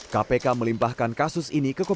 kpk melimpahkan kasus ini kekomunikasi